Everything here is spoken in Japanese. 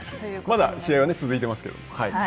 まだ試合は続いていますけど。